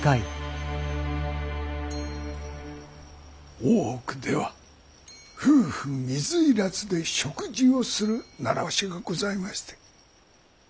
大奥では夫婦水入らずで食事をする習わしがございまして。